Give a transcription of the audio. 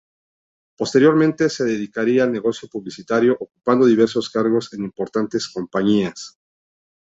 Posteriormente, se dedicaría al negocio publicitario, ocupando diversos cargos en importantes compañías.